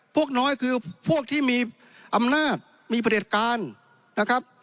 พวกน้อยคือพวกที่มีอำนาจมีประเด็จการนะครับ